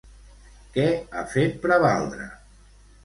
Què ha fet prevaldre?